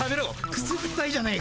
くすぐったいじゃねえか。